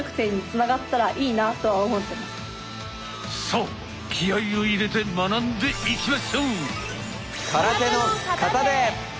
さあ気合いを入れて学んでいきましょう！